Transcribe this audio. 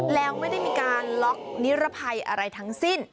แล้วไม่ได้มีการล็อกนิรภัยอะไรทั้งสิ้น